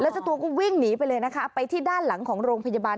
เจ้าตัวก็วิ่งหนีไปเลยนะคะไปที่ด้านหลังของโรงพยาบาล